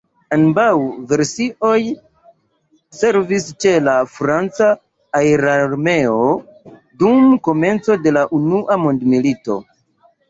Ambaŭ versioj servis ĉe la franca aerarmeo dum komenco de la unua mondmilito.